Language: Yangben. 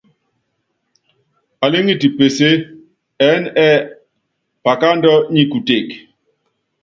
Alíŋiti pesée, ɛɛ́n ɛ́ɛ́ akáandú nyi kuteke.